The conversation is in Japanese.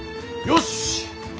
よし！